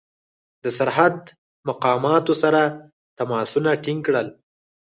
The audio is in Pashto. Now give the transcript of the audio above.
د سرحد مقاماتو سره تماسونه ټینګ کړل.